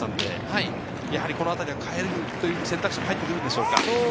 代えるという選択肢が入ってくるでしょうか。